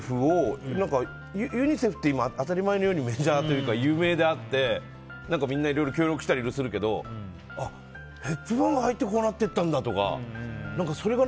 ユニセフって今、当たり前のようにメジャーというか有名であって、みんないろいろ協力したりするけどヘプバーンが入ってこうなっていったんだみたいな。